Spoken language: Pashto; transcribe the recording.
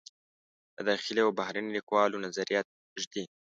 د داخلي و بهرني لیکوالو نظریات ږدي.